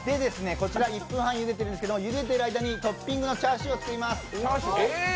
こちら１分半ゆでているんですけどゆでている間にトッピングのチャーシューを作ります。